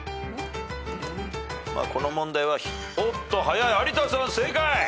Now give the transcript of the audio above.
この問題はおっとはやい有田さん正解。